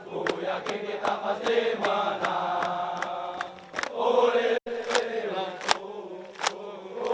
ku yakin kita pasti menang